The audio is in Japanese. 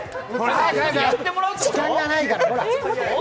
時間がないから、ほら。